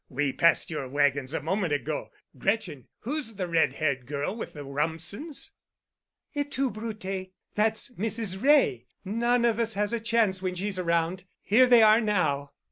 We passed your wagons a moment ago. Gretchen, who's the red haired girl with the Rumsens?" "Et tu, Brute? That's Mrs. Wray. None of us has a chance when she's around. Here they are now."